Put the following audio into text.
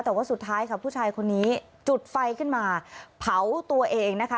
แต่ว่าสุดท้ายค่ะผู้ชายคนนี้จุดไฟขึ้นมาเผาตัวเองนะคะ